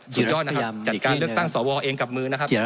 สุดยอดนะครับจัดการเลือกตั้งสวเองกับมือนะครับ